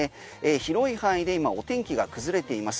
広い範囲で今お天気が崩れています。